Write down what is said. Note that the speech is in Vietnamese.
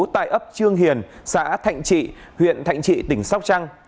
tại ấp trương hiền xã thạnh trị huyện thạnh trị tỉnh sóc trăng